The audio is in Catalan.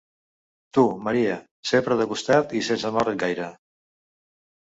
Tu, Maria, sempre de costat i sense moure't gaire.